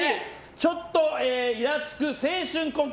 ちょっとイラつく青春コント